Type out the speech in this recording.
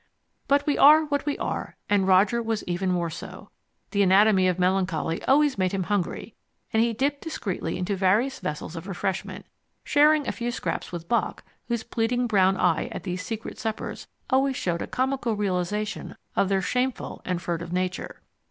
But we are what we are, and Roger was even more so. The Anatomy of Melancholy always made him hungry, and he dipped discreetly into various vessels of refreshment, sharing a few scraps with Bock whose pleading brown eye at these secret suppers always showed a comical realization of their shameful and furtive nature.